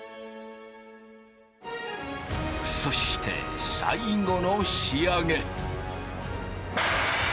そして最後の仕上げ。